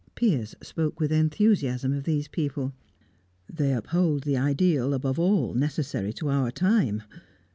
Piers spoke with enthusiasm of these people. "They uphold the ideal above all necessary to our time.